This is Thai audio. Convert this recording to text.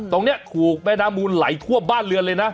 ตรงนี้ถูกแม่น้ำมูลไหลท่วมบ้านเรือนเลยนะ